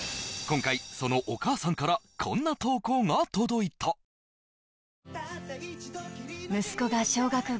今回そのお母さんからこんな投稿が届いたええ？